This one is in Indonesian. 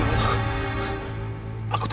aku telah menjelaskanmu